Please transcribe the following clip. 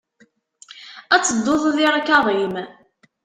Ad tedduɣ di ṛkaḍ-im.